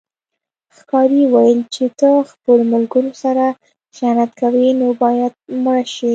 ښکاري وویل چې ته خپلو ملګرو سره خیانت کوې نو باید مړه شې.